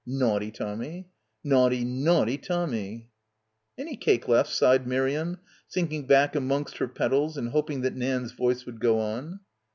Naughty Tommy, naughty, naughty Tommy !" "Any cake left?" sighed Miriam, sinking back amongst her petals and hoping that Nan's voice would go on.